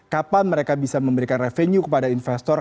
kapan mereka bisa memberikan revenue kepada investor